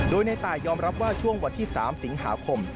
โดยในตายยอมรับว่าช่วงวันที่๓สิงหาคม